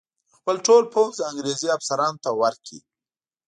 خپل ټول پوځ انګرېزي افسرانو ته ورکړي.